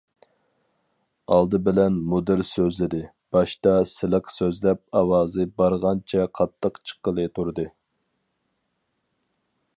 ئالدى بىلەن مۇدىر سۆزلىدى، باشتا سىلىق سۆزلەپ، ئاۋازى بارغانچە قاتتىق چىققىلى تۇردى.